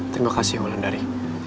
terima kasih wulandari